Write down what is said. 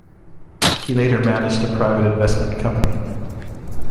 He later managed a private investment company.